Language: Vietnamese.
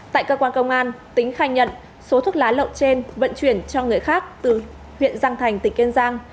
tại cơ quan công an tính khai nhận số thuốc lá lậu trên vận chuyển cho người khác từ huyện giang thành tỉnh kiên giang